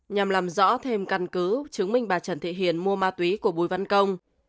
nhằm làm rõ thêm căn cứ chứng minh bà trần thị hiền mua ma túy của bùi văn công